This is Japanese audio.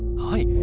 はい。